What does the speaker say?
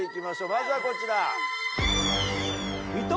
まずはこちら。